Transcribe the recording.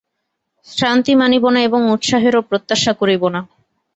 শ্রান্তি মানিব না এবং উৎসাহেরও প্রত্যাশা করিব না।